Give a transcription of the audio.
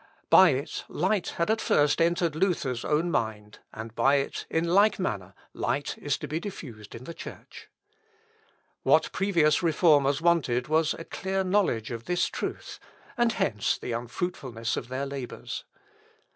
By it light had at first entered Luther's own mind, and by it, in like manner, light is to be diffused in the Church. What previous reformers wanted was a clear knowledge of this truth; and hence the unfruitfulness of their labours.